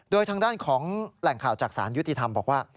โดยทางด้านของแหล่งข่าวจากสารยุติธรรมบอกว่า